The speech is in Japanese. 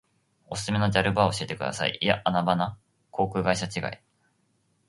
おすすめのジャル場を教えてください。いやアナ場な。航空会社違い。